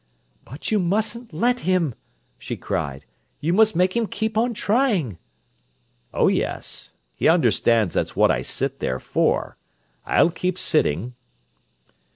"But you mustn't let him," she cried. "You must make him keep on trying!" "Oh, yes. He understands that's what I sit there for. I'll keep sitting!"